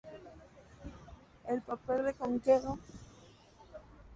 El papel del Conqueror era ofrecer apoyo antitanque de largo alcance para los Centurion.